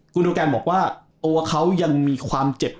กุลโดแกนบอกว่าตัวเค้ายังมีความเจ็บปวด